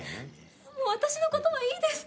もう私の事はいいです。